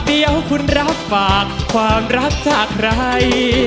เดี๋ยวคุณรับฝากความรักจากใคร